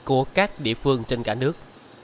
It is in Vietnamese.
của các địa phương trên cả nước